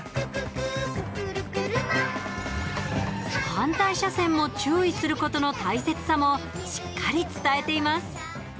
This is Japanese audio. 反対車線も注意することの大切さも、しっかり伝えています。